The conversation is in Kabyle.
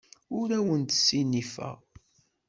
Ur awent-ssinifeɣ.